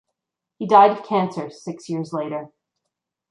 He died of cancer six years later.